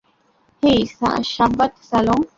হেই, সাব্বাত স্যালম!